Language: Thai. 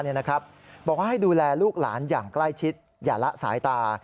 บอกว่าให้ดูแลลูกหลานอย่างใกล้ชิดอย่าละสายตา